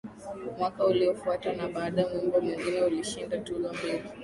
Mwaka uliofuata na bado wimbo mwingine ulishinda tuzo mbili